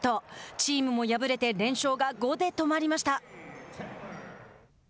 チームも敗れて連勝が５で止まりました。